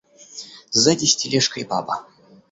Сзади с тележкой баба.